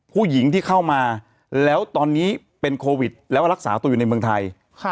ผู้หญิงที่เข้ามาแล้วตอนนี้เป็นโควิดแล้วก็รักษาตัวอยู่ในเมืองไทย